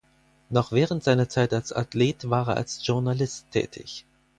Noch während seiner Zeit als Athlet war er als Journalist tätig.